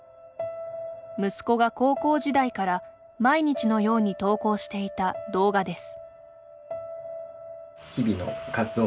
息子が高校時代から毎日のように投稿していた動画です。